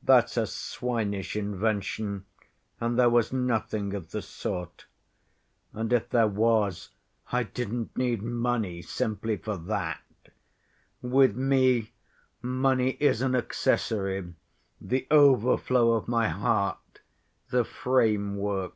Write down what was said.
That's a swinish invention, and there was nothing of the sort. And if there was, I didn't need money simply for that. With me money is an accessory, the overflow of my heart, the framework.